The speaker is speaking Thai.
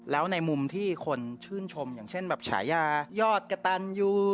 แล้วในมุมที่คนชื่นชมอย่างเช่นแบบฉายายอดกระตันยู